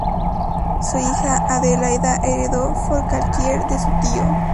Su hija, Adelaida, heredó Forcalquier de su tío.